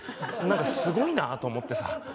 何かすごいなと思ってさ